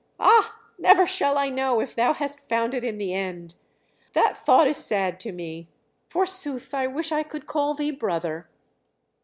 Ah! never shall I know if thou hast found it in the end! That thought is sad to me. Forsooth, I wish I could call thee brother!"